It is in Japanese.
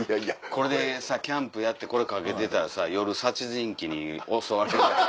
キャンプやってこれかけてたらさ夜殺人鬼に襲われる。